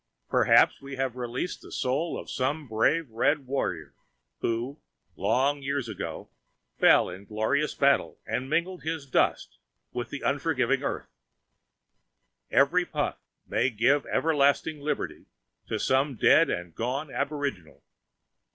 Perhaps we have released the soul of some brave red warrior who, long years ago, fell in glorious battle and mingled his dust with the unforgetting earth. Each puff may give everlasting liberty to some dead and gone aboriginal.